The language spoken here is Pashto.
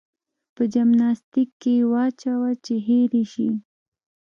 په جمناستيک کې يې واچوه چې هېر يې شي.